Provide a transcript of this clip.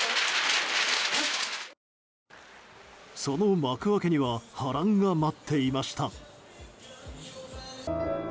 その幕開けには波乱が待っていました。